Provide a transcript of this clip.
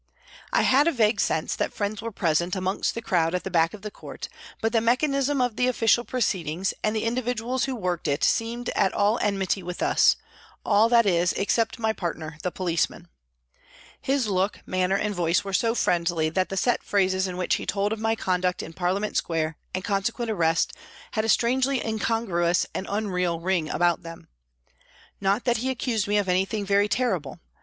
I had a vague sense that friends were present amongst the crowd at the back of the court, but the mechanism of the official proceedings and the individuals who worked it seemed all at enmity with us all, that is, except my partner the policeman. His look, manner and voice were so friendly that the set phrases in which he told of my conduct in Parliament Square and consequent arrest had a strangely incongruous and unreal ring about them. Not that he accused me of anything very terrible.